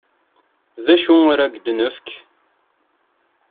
D acu ara ak-d-nefk?